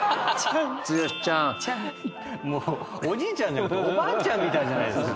もうおじいちゃんじゃなくておばあちゃんみたいじゃない。